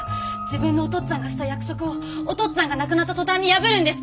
自分のお父っつぁんがした約束をお父っつぁんが亡くなった途端に破るんですか？